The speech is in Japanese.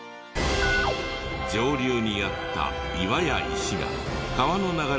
上流にあった岩や石が川の流れで削られ。